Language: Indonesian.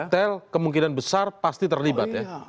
hotel kemungkinan besar pasti terlibat ya